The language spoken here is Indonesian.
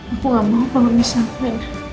aku gak mau pengemis aku